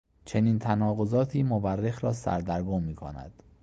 چنین تناقضاتی مورخ را سردرگم میکند.